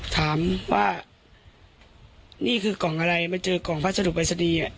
ถามว่านี่คือกล่องอะไรมันเจอกล่องพัสดุบริษณีย์อ่ะ